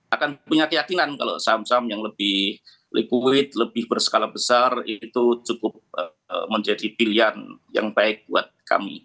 akan punya keyakinan kalau saham saham yang lebih liquid lebih berskala besar itu cukup menjadi pilihan yang baik buat kami